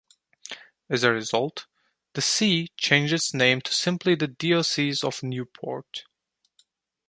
As a result, the see changed its name to simply the diocese of Newport.